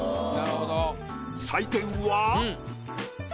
採点は。